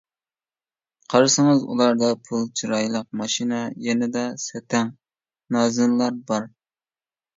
قارىسىڭىز ئۇلاردا پۇل، چىرايلىق ماشىنا، يېنىدا سەتەڭ، نازىنىنلار بار.